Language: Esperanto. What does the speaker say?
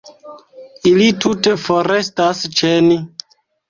Ili tute forestas ĉe ni.